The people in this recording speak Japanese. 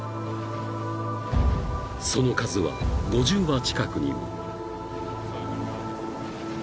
［その数は５０羽近くにも］